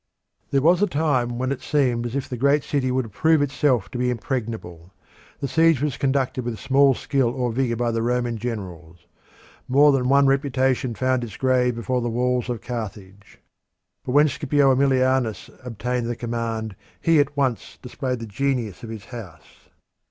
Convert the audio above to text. There was a time when it seemed as if the great city would prove itself to be impregnable; the siege was conducted with small skill or vigour by the Roman generals. More than one reputation found its grave before the walls of Carthage. But when Scipio Aemilianus obtained the command, he at once displayed the genius of his house.